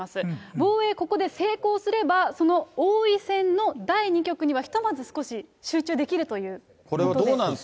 防衛、ここで成功すれば、その王位戦の第２局には、ひとまず少し集中できるということです。